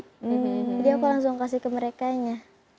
jadi aku langsung kasih ke merekanya